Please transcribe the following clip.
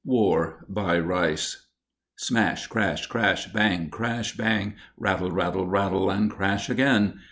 WAR BY RICE Smash! Crash! Crash! Bang! Crash! Bang! Rattle, rattle, rattle, and crash again.